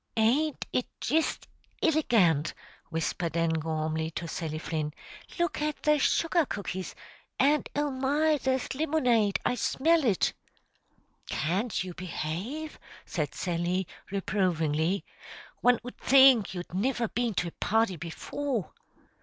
"Ain't it jist illegant?" whispered Ann Gormly to Sally Flynn. "Look at the sugar cookies! and, oh my! there's limonade. I smell it." "Can't you behave?" said Sally, reprovingly. "One 'ud think you'd niver been to a party before."